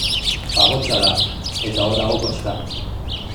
Pagotxa da, eta hor dago koxka.